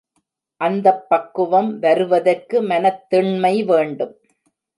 அந்தப் பக்குவம் வருவதற்கு மனத்திண்மை வேண்டும்.